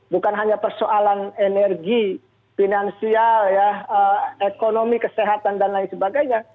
bukan hanya persoalan energi finansial ekonomi kesehatan dan lain sebagainya